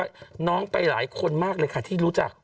น้องไปหลายคนมากเลยค่ะที่รู้จัก